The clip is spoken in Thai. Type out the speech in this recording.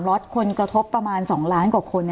็อตคนกระทบประมาณ๒ล้านกว่าคน